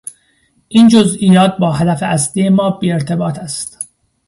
این جزئیات با هدف اصلی ما بی ارتباط است.